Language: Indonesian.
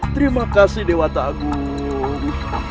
terima kasih dewa ta'agung